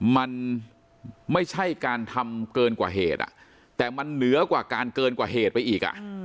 มันไม่ใช่การทำเกินกว่าเหตุแต่มันเหนือกว่าการเกินกว่าเหตุไปอีก